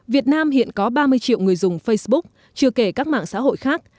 việt nam hiện có ba mươi triệu người dùng facebook chưa kể các mạng xã hội khác